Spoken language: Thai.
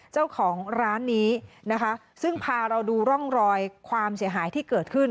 เจ้าของร้านนี้นะคะซึ่งพาเราดูร่องรอยความเสียหายที่เกิดขึ้น